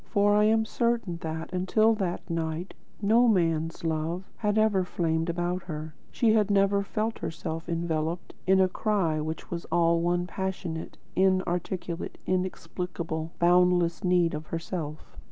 For I am certain that, until that night, no man's love had ever flamed about her; she had never felt herself enveloped in a cry which was all one passionate, in articulate, inexplicable, boundless need of herself.